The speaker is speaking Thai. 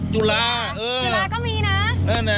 จุฬาก็มีนะ